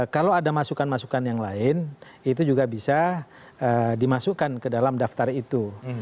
kalau ada masukan masukan yang lain itu juga bisa dimasukkan ke dalam daftar itu